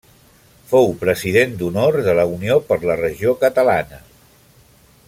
Fou president d'honor de la Unió per la Regió Catalana.